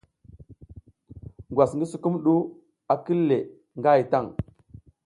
Ngwas ngi sukumɗu a kil le nga hay tan.